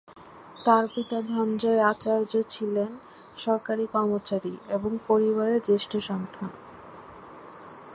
তার পিতা ধনঞ্জয় আচার্য ছিলেন সরকারি কর্মচারী এবং পরিবারের জ্যেষ্ঠ সন্তান।